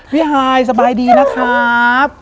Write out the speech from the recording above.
ฮายสบายดีนะครับ